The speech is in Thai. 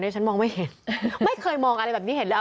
ฉันมองไม่เห็นไม่เคยมองอะไรแบบนี้เห็นแล้ว